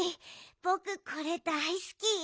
ぼくこれだいすき！